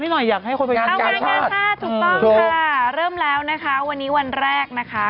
ถูกต้องค่ะเริ่มแล้วนะคะวันนี้วันแรกนะคะ